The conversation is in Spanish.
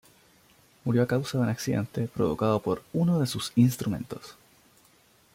Murió a causa de un accidente provocado por uno de sus instrumentos.